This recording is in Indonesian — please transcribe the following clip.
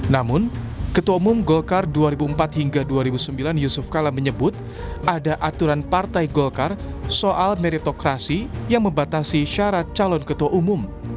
namun ketua umum golkar dua ribu empat hingga dua ribu sembilan yusuf kala menyebut ada aturan partai golkar soal meritokrasi yang membatasi syarat calon ketua umum